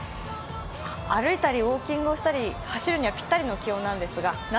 歩いたりウォーキングをしたり走るのにはぴったりの気温なんですが夏